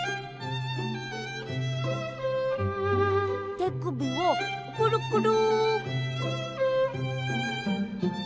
てくびをくるくる。